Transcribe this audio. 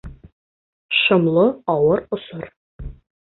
Шомло ауыр осор.